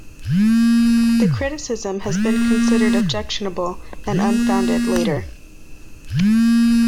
The criticism has been considered objectionable and unfounded later.